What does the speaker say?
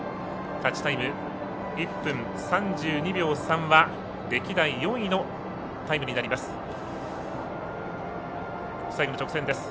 勝ちタイム１分３２秒３は歴代４位のタイムになります。